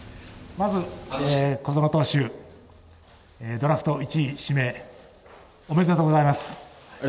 小園投手、ドラフト１位指名、おめでとうございます。